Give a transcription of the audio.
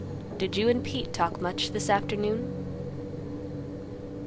Did you and Pete talk much this afternoon?"